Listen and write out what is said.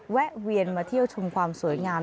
แวะเวียนมาเที่ยวชมความสวยงาม